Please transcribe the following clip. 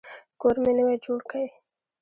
کور مي نوی جوړ کی.